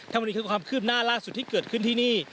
บุรีคือความคืบหน้าล่าสุดที่เกิดขึ้นที่นี่